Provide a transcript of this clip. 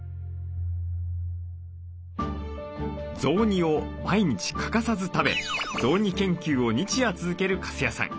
雑煮を毎日欠かさず食べ雑煮研究を日夜続ける粕谷さん。